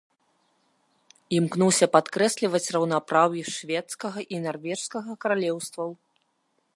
Імкнуўся падкрэсліваць раўнапраўе шведскага і нарвежскага каралеўстваў.